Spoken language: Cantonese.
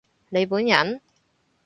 你本人？